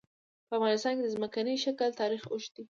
په افغانستان کې د ځمکنی شکل تاریخ اوږد دی.